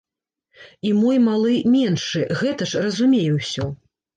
І мой малы, меншы, гэта ж разумее ўсё.